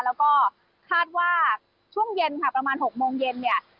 แล้วก็คาดว่าช่วงเย็นค่ะประมาณ๖โมงเย็นเนี่ย